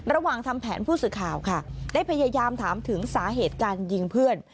ทำแผนผู้สื่อข่าวค่ะได้พยายามถามถึงสาเหตุการยิงเพื่อน